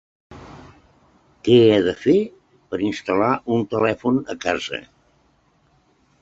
Què he de fer per instal·lar un telèfon a casa?